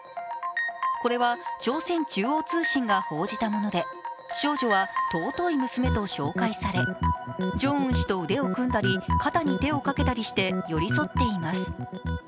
これは朝鮮中央通信が報じたもので少女は、尊い娘と紹介され、ジョンウン氏と腕を組んだり、肩に手をかけたりして寄り添っています。